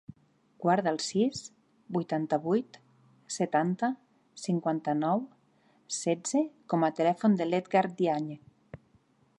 Guarda el sis, vuitanta-vuit, setanta, cinquanta-nou, setze com a telèfon de l'Edgar Diagne.